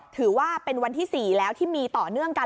ถือว่าเป็นวันที่๔แล้วที่มีต่อเนื่องกัน